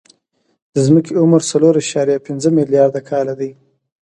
د ځمکې عمر څلور اعشاریه پنځه ملیارده کاله دی.